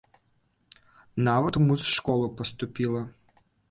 Нават у музшколу паступіла.